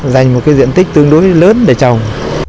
dành một cái diện tích tương đối lớn để trồng